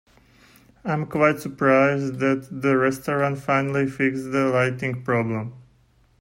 I am quite surprised that the restaurant finally fixed the lighting problem.